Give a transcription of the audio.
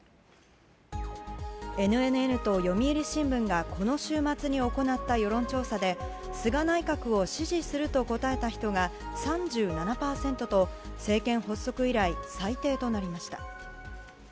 ＮＮＮと読売新聞がこの週末に行った世論調査で菅内閣を支持すると答えた人が３７％と政権発足以来最低となりました。